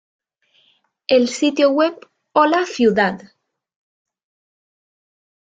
El sitio web "Hola Ciudad!